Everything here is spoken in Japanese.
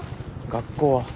学校は。